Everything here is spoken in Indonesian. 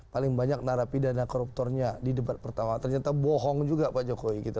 paling banyak narapidana koruptornya di debat pertama ternyata bohong juga pak jokowi gitu